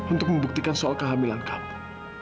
untuk membuktikan soal kehamilan kampung